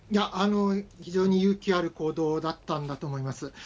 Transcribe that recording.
非常に勇気ある行動だったんだと思います。